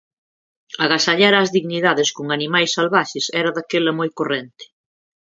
Agasallar ás dignidades con animais salvaxes era daquela moi corrente.